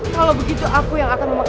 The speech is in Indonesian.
kalau begitu aku yang akan memakai